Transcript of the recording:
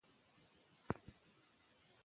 ژباړن بايد مسلکي مسؤليت ولري.